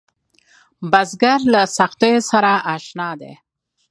بزګر له سختیو سره اشنا دی